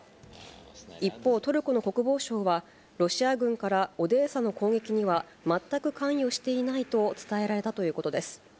一方、トルコの国防相は、ロシア軍からオデーサの攻撃には、全く関与していないと伝えられたということです。